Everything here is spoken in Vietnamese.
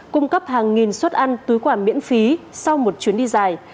cung cấp hàng nghìn suất ăn túi quà miễn phí sau một chuyến đi dài